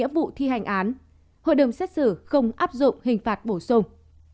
vụ thi hành án hội đồng xét xử không áp dụng hình phạt bổ sung